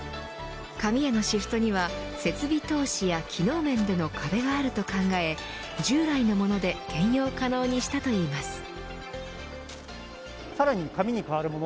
紙へのシフトには設備投資や機能面での壁があると考え従来のもので兼用可能にしたといいます。